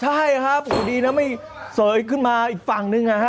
ใช่ครับโอ้โหดีนะไม่เสยขึ้นมาอีกฝั่งนึง